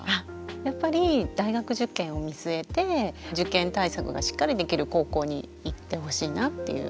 やっぱり大学受験を見据えて受験対策がしっかりできる高校に行ってほしいなっていう。